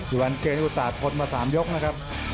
อีวานเครียร์อุตสาหรภ์ทดมา๓ยกนะครับ